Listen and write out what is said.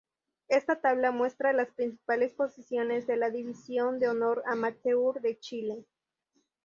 Esta tabla muestra las principales posiciones de la División de Honor Amateur de Chile.